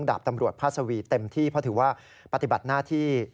ดาบตำรวจพาสวีเต็มที่เพราะถือว่าปฏิบัติหน้าที่